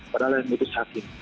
padahal yang mutus hakim